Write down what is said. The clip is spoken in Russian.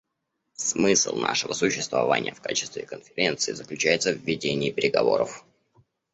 Смысл нашего существования в качестве Конференции заключается в ведении переговоров.